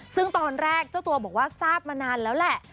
ซึ่งตอนแรกเจ้าตัวบอกว่าทราบมานานแล้วแหละ